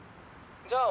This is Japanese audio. じゃあ